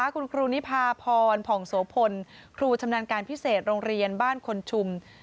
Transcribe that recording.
คุณครูนิพาพรผ่องโสพลครูชำนาญการพิเศษโรงเรียนบ้านคนชุม